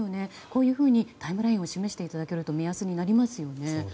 こういうふうにタイムラインを示していただけると目安になりますよね。